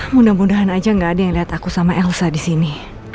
mudah mudahan aja gak ada yang liat aku sama elsa disini